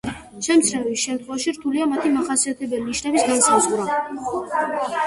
შემჩნევის შემთხვევაში, რთულია მათი მახასიათებელი ნიშნების განსაზღვრა.